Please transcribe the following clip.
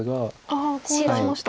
ああコウにしました。